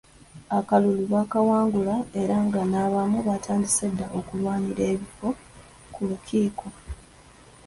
Akalulu baakawangula era nga n'abamu baatandise dda okulwanira ebifo ku lukiiko.